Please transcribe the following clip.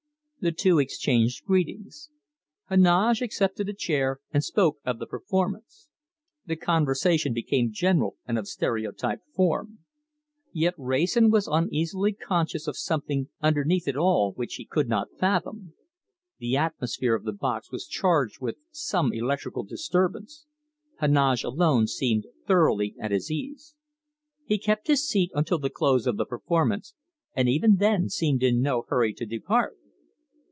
The two exchanged greetings. Heneage accepted a chair and spoke of the performance. The conversation became general and of stereotyped form. Yet Wrayson was uneasily conscious of something underneath it all which he could not fathom. The atmosphere of the box was charged with some electrical disturbance. Heneage alone seemed thoroughly at his ease. He kept his seat until the close of the performance, and even then seemed in no hurry to depart.